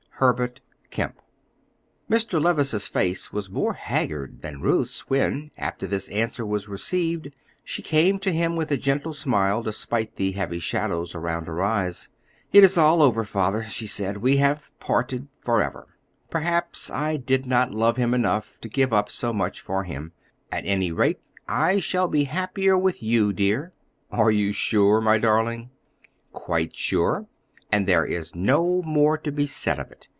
HERBERT KEMP. Mr. Levice's face was more haggard than Ruth's when, after this answer was received, she came to him with a gentle smile, despite the heavy shadows around her eyes. "It is all over, Father," she said; "we have parted forever. Perhaps I did not love him enough to give up so much for him. At any rate I shall be happier with you, dear." "Are you sure, my darling?" "Quite sure; and there is no more to be said of it.